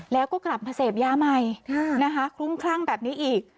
แล้วก็กลับมาเสพยาใหม่นะคะคลุ้มคลั่งแบบนี้อีก